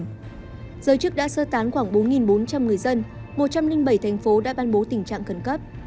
giới chức đã sơ tán khoảng bốn bốn trăm linh người dân một trăm linh bảy thành phố đã ban bố tình trạng khẩn cấp